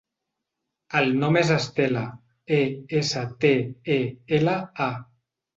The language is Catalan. El nom és Estela: e, essa, te, e, ela, a.